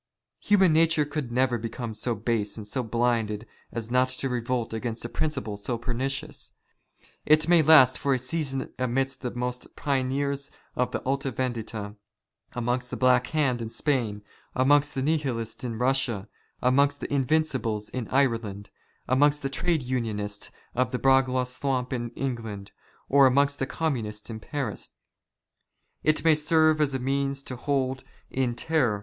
Human nature could never become so base and so blinded as not to revolt against a principle so pernicious. It may last for a season amidst the first pioneers of the A Ita Vendita, amongst the Black Hand in Spain, amongst the Nihilists in Eussia, amongst the Invincibles in Ireland, amongst the Trade Unionists of the Bradlaugh stamp in England, or amongst the who shall reveal its mysteries, shall be poniarded without remission.